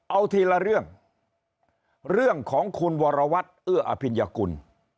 เอาทีละเรื่องเรื่องของคุณวรวัตรเอื้ออภิญกุล